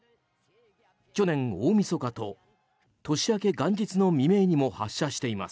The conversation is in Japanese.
去年、大みそかと年明け元日の未明にも発射しています。